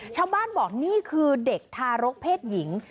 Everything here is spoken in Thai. ชาวบ้านบอกนี่คือเด็กทารกเพศหญิง